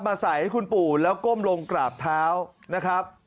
ใส่ให้คุณปู่แล้วก้มลงกราบเท้านะครับ